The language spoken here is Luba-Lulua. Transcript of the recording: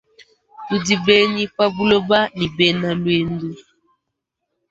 Tudi benyi pa buloba ne bena luendu.